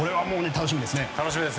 楽しみです！